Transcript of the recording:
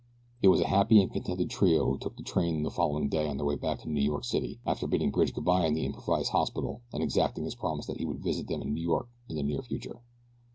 It was a happy and contented trio who took the train the following day on their way back to New York City after bidding Bridge good bye in the improvised hospital and exacting his promise that he would visit them in New York in the near future.